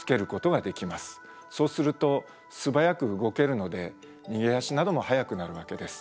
そうすると素早く動けるので逃げ足なども速くなるわけです。